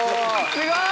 すごい！